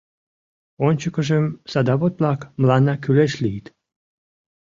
Ончыкыжым садовод-влак мыланна кӱлеш лийыт.